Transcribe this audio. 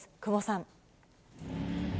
久保さん。